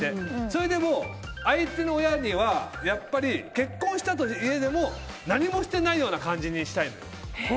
それでも相手の親にはやっぱり結婚したとはいえ何もしていないような感じにしたいのよ。